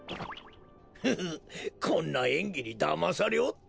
フフッこんなえんぎにだまされおって！